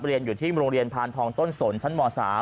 เรียนอยู่ที่โรงเรียนพานทองต้นสนชั้นม๓